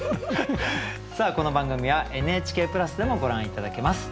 さあこの番組はＮＨＫプラスでもご覧頂けます。